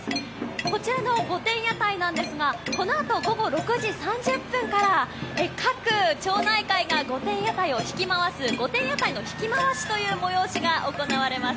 こちらの御殿屋台なんですがこのあと午後６時３０分から各町内会が御殿屋台を引き回す御殿屋台の引き回しという催しが行われます。